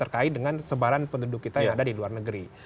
terkait dengan sebaran penduduk kita yang ada di luar negeri